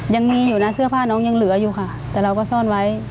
ยังมีอยู่นะเสื้อผ้าน้องยังเหลืออยู่ค่ะแต่เราก็ซ่อนไว้